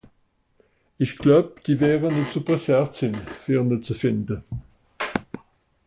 Ìch gläub, die wäre nìtt so presseert sìn, fer ne ze fìnde.